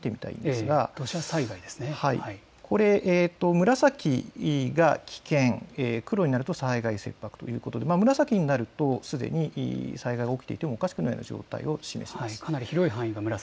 これは紫が危険、黒になると災害切迫ということで紫になるとすでに災害が起きていてもおかしくない状態を示します。